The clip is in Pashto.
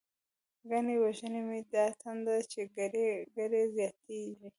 گڼی وژنی می دا تنده، چی گړی گړی زیاتتیږی